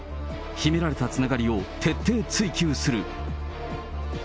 秘められたつながりを徹底追及する。